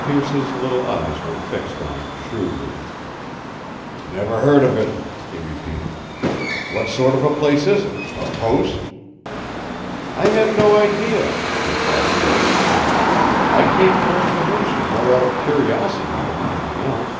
Pearce's little eyes were fixed on him shrewdly. "Never heard of it," he repeated. "What sort of a place is it, a post " "I have no idea," replied Philip. "I came for information more out of curiosity than anything else.